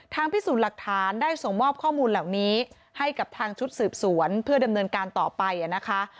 พิสูจน์หลักฐานได้ส่งมอบข้อมูลเหล่านี้ให้กับทางชุดสืบสวนเพื่อดำเนินการต่อไปนะคะ